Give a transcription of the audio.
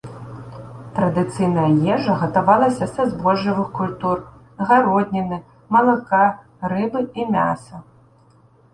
Традыцыйная ежа гатавалася са збожжавых культур, гародніны, малака, рыбы і мяса.